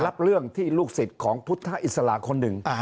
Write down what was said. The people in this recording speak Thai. รับเรื่องที่ลูกศิษย์ของพุทธอิสระคนหนึ่ง